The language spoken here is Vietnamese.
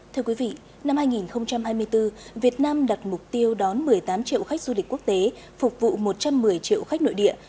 thưa quý vị năm hai nghìn hai mươi bốn việt nam đặt mục tiêu đón một mươi tám triệu khách du lịch quốc tế phục vụ một trăm một mươi triệu khách nội địa